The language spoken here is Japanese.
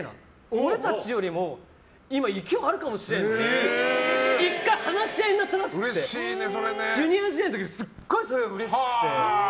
俺たちよりも今勢いあるかもしれないって１回話し合いになったらしくてＪｒ．時代の時すごいそれがうれしくて。